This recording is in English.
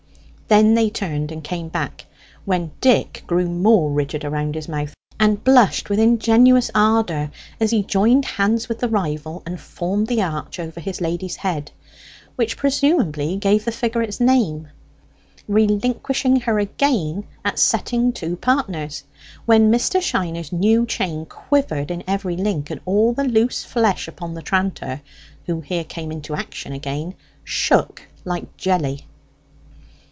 Then they turned and came back, when Dick grew more rigid around his mouth, and blushed with ingenuous ardour as he joined hands with the rival and formed the arch over his lady's head; which presumably gave the figure its name; relinquishing her again at setting to partners, when Mr. Shiner's new chain quivered in every link, and all the loose flesh upon the tranter who here came into action again shook like jelly.